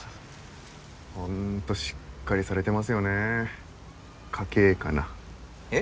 ホントしっかりされてますよね。家系かな。えっ？